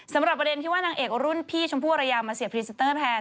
สำหรับประเด็นที่ว่านางเอกรุ่นพี่ชมพู่อรยามาเสียพรีเซนเตอร์แทน